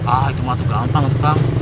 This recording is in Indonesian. ah itu matu gampang tuh kang